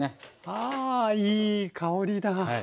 あぁいい香りだ。